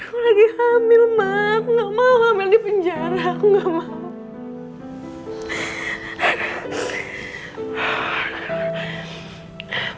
aku lagi hamil ma aku gak mau hamil di penjara aku gak mau